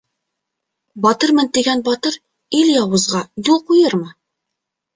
Батырмын тигән батыр ир яуызға юл ҡуйырмы?